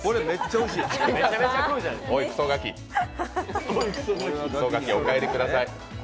おい、くそガキ、お帰りください。